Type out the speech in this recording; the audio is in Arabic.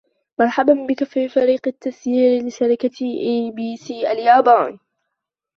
مرحبا بك في فريق التسيير لشركة أي بي سي اليابان.